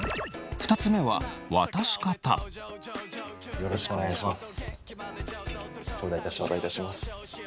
３つ目はよろしくお願いします。